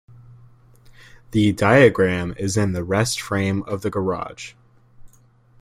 The diagram is in the rest frame of the garage.